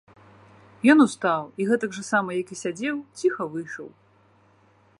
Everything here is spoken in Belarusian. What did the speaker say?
Ён устаў і, гэтак жа сама як і сядзеў, ціха выйшаў.